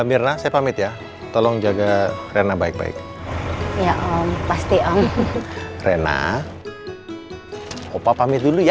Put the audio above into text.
amir nasib amit ya tolong jaga rena baik baik ya om pasti om rena opa pamit dulu ya